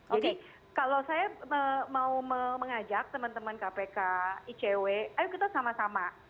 kalau saya mau mengajak teman teman kpk icw ayo kita sama sama